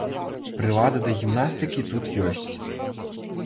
Прылады да гімнастыкі тут ёсць.